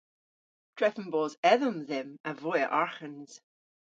Drefen bos edhom dhymm a voy a arghans.